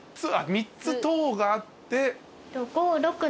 ３つ棟があって。